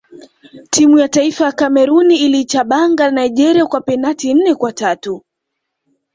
timu ya taifa ya cameroon iliichabanga nigeria kwa penati nne kwa tatu